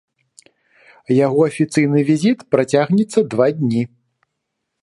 Яго афіцыйны візіт працягнецца два дні.